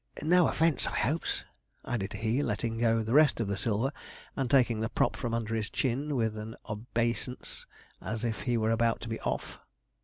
No offence, I 'opes,' added he, letting go the rest of the silver, and taking the prop from under his chin, with an obeisance as if he was about to be off.